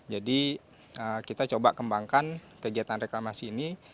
jadi kita coba kembangkan kegiatan reklamasi ini